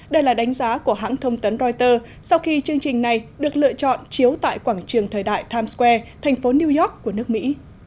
đây là đánh giá của hãng thông tấn reuters sau khi chương trình này được lựa chọn chiếu tại quảng trường thời đại times square thành phố new york của nước mỹ